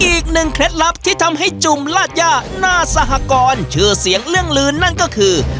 เคล็ดลับที่ทำให้จุ่มลาดย่าหน้าสหกรชื่อเสียงเรื่องลืนนั่นก็คือ